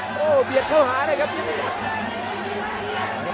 โอ้โหเบียดเข้าหานะครับนี่ครับ